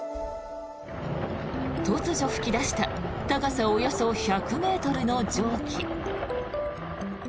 突如噴き出した高さおよそ１００ｍの蒸気。